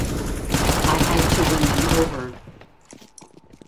I had to win them over.